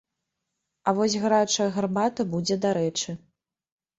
А вось гарачая гарбата будзе дарэчы.